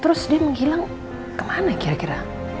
terus dia menghilang kemana kira kira